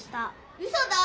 うそだ！